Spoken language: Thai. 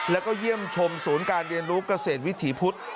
แล้วก็เยี่ยมชมศูนย์การเรียนรู้เกษตรวิถีพุทธ